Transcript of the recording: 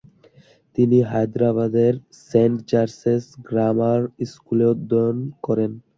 তিনি হায়দরাবাদের Saint George's grammar স্কুলে অধ্যয়ন করেন।